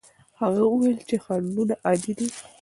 هغه وویل چې خنډونه عادي دي.